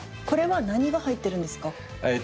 これは何が入ってるんですか？